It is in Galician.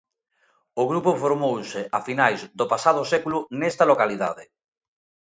O grupo formouse a finais do pasado século nesta localidade.